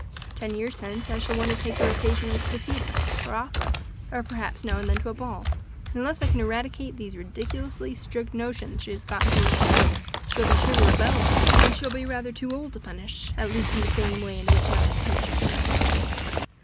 Ten years hence I shall want to take her occasionally to the theatre or opera, or perhaps now and then to a ball, and unless I can eradicate these ridiculously strict notions she has got into her head, she will be sure to rebel then, when she will be rather too old to punish, at least in the same way in which I might punish her now."